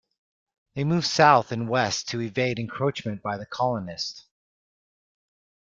They moved south and west to evade encroachment by the colonists.